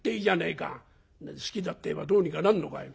「好きだって言えばどうにかなんのかよ？